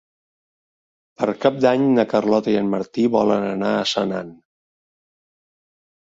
Per Cap d'Any na Carlota i en Martí volen anar a Senan.